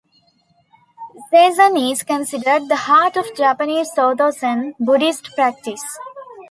Zazen is considered the heart of Japanese Soto Zen Buddhist practice.